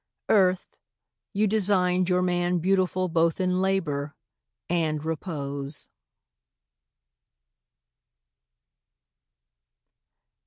.. Earth, you designed your man Beautiful both in labour, and repose.